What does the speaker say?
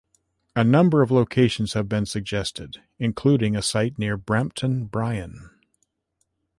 A number of locations have been suggested, including a site near Brampton Bryan.